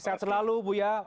sehat selalu buya